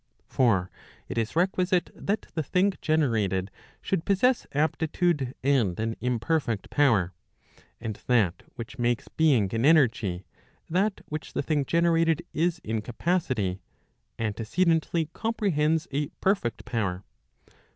* For it is requisite that the thing generated should possess aptitude and an imperfect power. And that which makes being in energy 1 that which the thing generated is in capacity, antecedently comprehends a perfect power.